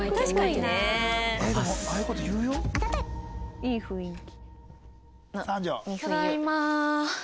いい雰囲気。